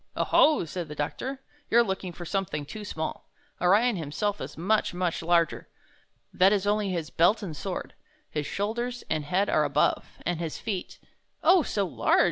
"0 ho!" said the doctor, ''you're looking for something too small. Orion himself is much, much larger. That is only his belt and sword. His shoulders and head are above, and his feet—" "Oh, so large!"